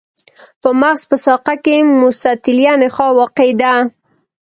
په مغز په ساقه کې مستطیله نخاع واقع ده.